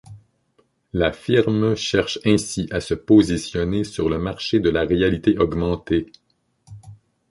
La firme cherche ainsi à se positionner sur le marché de la réalité augmentée.